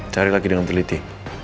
cari lagi dengan teliti